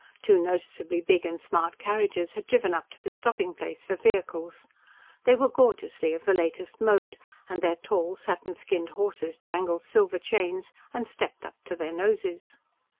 Two noticeably big and smart carriages had driven up to the stopping place for vehicles. They were gorgeously of the latest mode, and their tall, satin skinned horses jangled silver chains and stepped up to their noses.